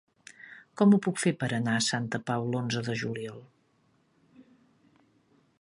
Com ho puc fer per anar a Santa Pau l'onze de juliol?